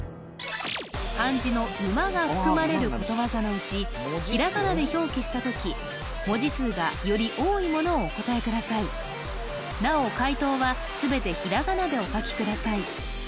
漢字の「馬」が含まれることわざのうちひらがなで表記した時文字数がより多いものをお答えくださいなお解答は全てひらがなでお書きください